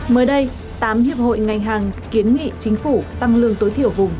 mới đây tám hiệp hội ngành hàng kiến nghị chính phủ tăng lương tối thiểu vùng